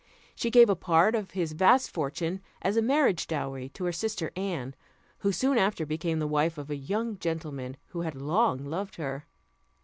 She gave a part of his vast fortune as a marriage dowry to her sister Anne, who soon after became the wife of a young gentleman who had long loved her.